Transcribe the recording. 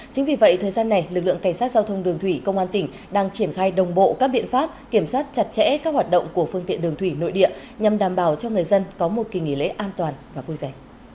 chính vì vậy thời gian này lực lượng cảnh sát giao thông đường thủy công an tỉnh đang triển khai đồng bộ các biện pháp kiểm soát chặt chẽ các hoạt động của phương tiện đường thủy nội địa nhằm đảm bảo cho người dân có một kỳ nghỉ lễ an toàn và vui vẻ